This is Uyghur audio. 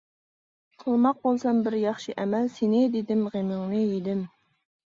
قىلماق بولسام بىر ياخشى ئەمەل، سېنى دېدىم، غېمىڭنى يېدىم.